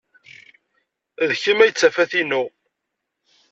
D kemm ay d tafat-inu.